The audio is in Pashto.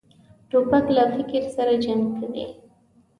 توپک له فکر سره جنګ کوي.